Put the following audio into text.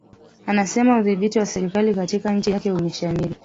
anasema udhibiti wa serikali katika nchi yake umeshamiri